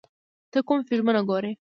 ته کوم فلمونه ګورې؟